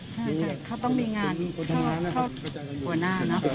ใช่ใช่เขาต้องมีงานเขาบัวหน้านะ